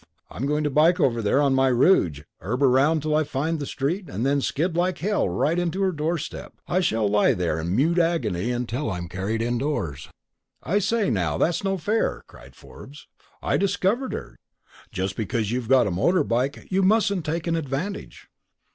I'm going to bike over there on my Rudge, erb round till I find the street, and then skid like hell right on to her doorstep. I shall lie there in mute agony until I'm carried indoors." "I say, now, that's no fair!" cried Forbes. "I discovered her! Just because you've got a motor bike you mustn't take an advantage!"